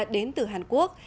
đến từ hàn quốc